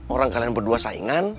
orang kalian berdua saingan